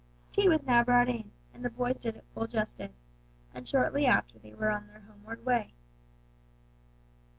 Tea was now brought in, and the boys did it full justice, and shortly after they were on their homeward way.